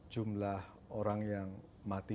jumlah orang yang mati